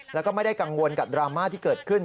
แล้วก็ไม่ได้กังวลกับดราม่าที่เกิดขึ้น